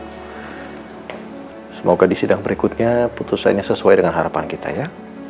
semoga di sidang berikutnya putusannya sesuai dengan harapan kita ya